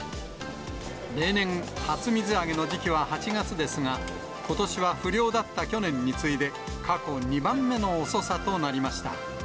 例年、初水揚げの時期は８月ですが、ことしは不漁だった去年に次いで、過去２番目の遅さとなりました。